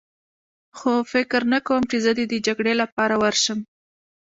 خو فکر نه کوم چې زه دې د جګړې لپاره ورشم.